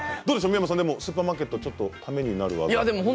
三山さん、スーパーマーケットためになる話題でしたか？